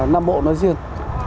nam bộ nói riêng